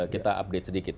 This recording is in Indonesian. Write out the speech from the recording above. kita update sedikit